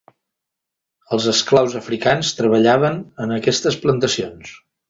Els esclaus africans treballaven en aquestes plantacions.